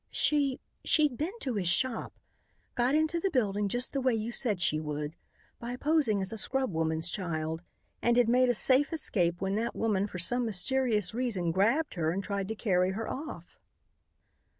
"She she'd been to his shop. Got into the building just the way you said she would, by posing as a scrubwoman's child, and had made a safe escape when that woman for some mysterious reason grabbed her and tried to carry her off."